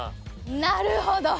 なるほど！